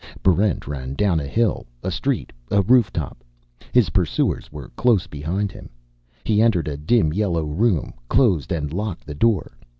Barrent ran down a hill, a street, a rooftop. His pursuers were close behind him. He entered a dim yellow room, closed and locked the door.